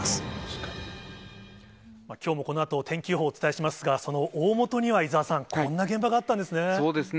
きょうもこのあと、天気予報をお伝えしますが、そのおおもとには伊沢さん、こんな現場があったんですね。